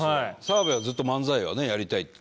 澤部はずっと漫才はねやりたいって。